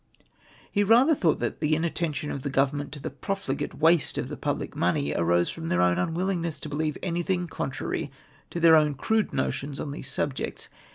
" He rather thought that the inattention of Government to the profligate waste of the public money, arose from their unwillingness to believe anything contrary to their own crude notions on these subjects.